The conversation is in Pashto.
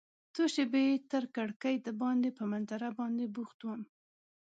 څو شیبې تر کړکۍ دباندې په منظره باندې بوخت وم.